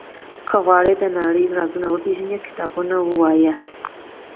• که غواړې د نړۍ رازونه وپېژنې، کتابونه ولوله.